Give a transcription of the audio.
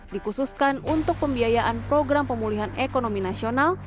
dikhususkan untuk pembiayaan program pemulihan ekonomi nasional